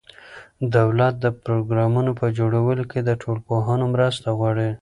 دولت د پروګرامونو په جوړولو کې له ټولنپوهانو مرسته غواړي.